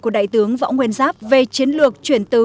của đại tướng võ nguyên giáp về chiến lược chuyển từ